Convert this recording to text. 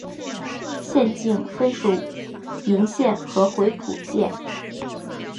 县境分属鄞县和回浦县。